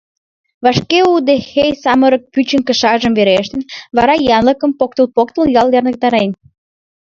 Вашке удэхей самырык пӱчын кышажым верештын, вара янлыкым, поктыл-поктыл, ялт ярныктарен.